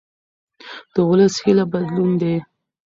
د ولس هیله بدلون دی